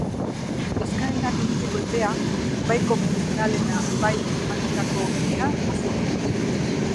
Eskaerak egiteko epea, bai konbentzionalena , bai informatikako gelena, hasi da.